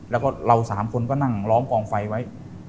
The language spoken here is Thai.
แล้วก็เรา๓คนก็นั่งล้อมกองไฟไว้